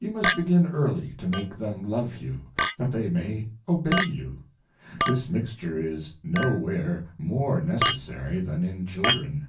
_Yau must begin early to make them love you, that they may obey you. This Mixture is no where more necessary than in Chil " dren.